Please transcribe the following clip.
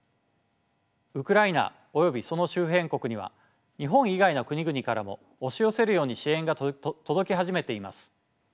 ウクライナおよびその周辺国には日本以外の国々からも押し寄せるように支援が届き始めています。